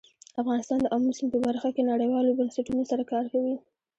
افغانستان د آمو سیند په برخه کې نړیوالو بنسټونو سره کار کوي.